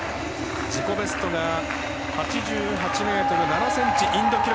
自己ベストが８８ｍ７ｃｍのインド記録。